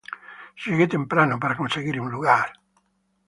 Llegue temprano para conseguir un lugar.